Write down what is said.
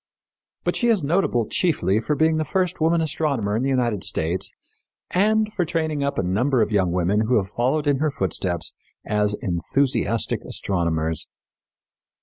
But she is notable chiefly for being the first woman astronomer in the United States and for training up a number of young women who have followed in her footsteps as enthusiastic astronomers.